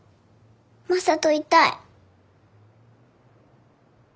マサといたい。